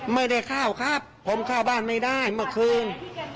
ไม่ได้เข้าครับผมเข้าบ้านไม่ได้เมื่อคืน